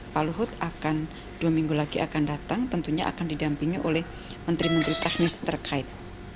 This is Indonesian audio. pak luhut akan dua minggu lagi akan datang tentunya akan didampingi oleh menteri menteri teknis terkait